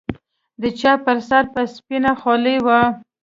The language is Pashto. د چا پر سر به سپينه خولۍ وه.